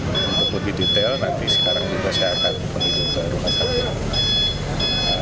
untuk lebih detail nanti sekarang juga saya akan menuju ke rumah sakit